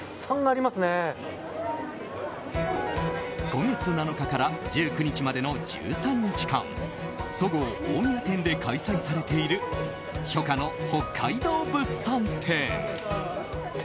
今月７日から１９日までの１３日間そごう大宮店で開催されている初夏の北海道物産展。